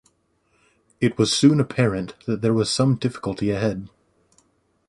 It was soon apparent that there was some difficulty ahead.